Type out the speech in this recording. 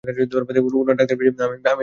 উনার ডাক্তার হিসাবে, আমি এটার বিরুদ্ধে।